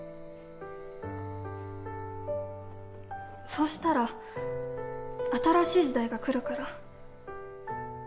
そうしたら新しい時代が来るから。